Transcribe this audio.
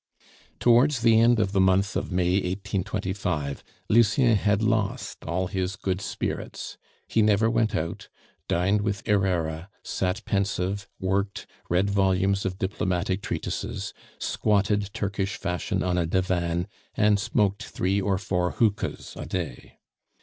Towards the end of the month of May 1825 Lucien had lost all his good spirits; he never went out, dined with Herrera, sat pensive, worked, read volumes of diplomatic treatises, squatted Turkish fashion on a divan, and smoked three or four hookahs a day.